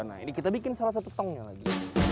nah ini kita bikin salah satu tongnya lagi